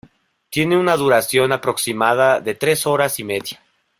Tiene una duración aproximada de tres horas y media.